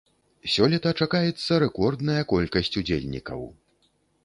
Сёлета чакаецца рэкордная колькасць удзельнікаў.